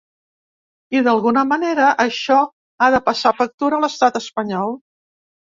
I d’alguna manera, això ha de passar factura a l’estat espanyol.